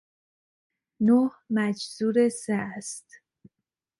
نه مجذور سه است.